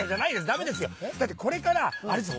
ダメですよだってこれからあれですよ